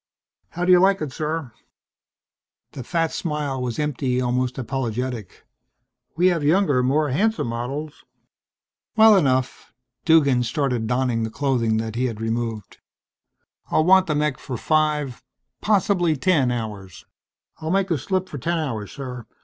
"How do you like it, sir?" The fat smile was empty, almost apologetic. "We have younger, more handsome models...." "Well enough." Duggan started donning the clothing that he had removed. "I'll want the mech for five, possibly ten, hours." "I'll make out the slip for ten hours, sir.